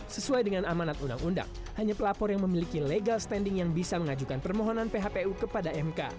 sesuai dengan amanat undang undang hanya pelapor yang memiliki legal standing yang bisa mengajukan permohonan phpu kepada mk